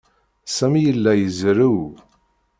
Sami yella izerrew.